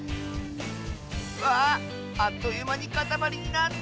わああっというまにかたまりになった！